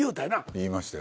言いましたよ。